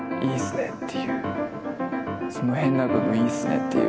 その変な部分いいっすねっていう。